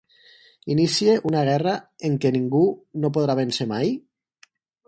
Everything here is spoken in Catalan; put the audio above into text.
Inicie una guerra en què ningú no podrà véncer mai?